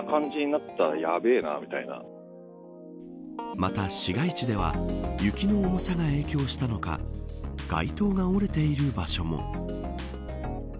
また市街地では雪の重さが影響したのか街灯が折れている場所も。